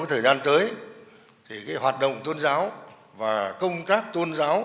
để thực hiện thắng lợi